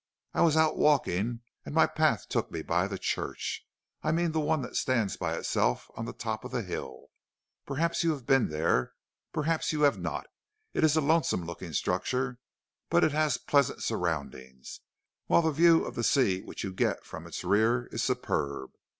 I was out walking, and my path took me by the church. I mean the one that stands by itself on the top of the hill. Perhaps you have been there, perhaps you have not. It is a lonesome looking structure, but it has pleasant surroundings, while the view of the sea which you get from its rear is superb.